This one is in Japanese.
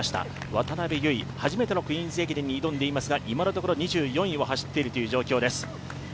渡邉唯、初めてのクイーンズ駅伝に挑んでいますが今のところ２４位を走っているという状況です。